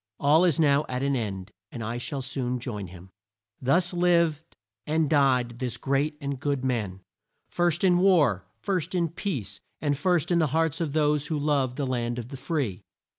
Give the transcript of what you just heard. "All is now at an end, and I shall soon join him." Thus lived and died this great and good man, "first in war, first in peace, and first in the hearts of" those who love "the land of the free."